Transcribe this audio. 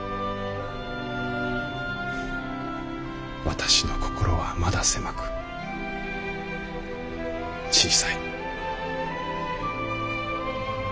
私の心はまだ狭く小さい。